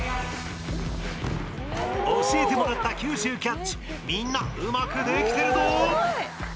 教えてもらった吸収キャッチみんなうまくできてるぞ。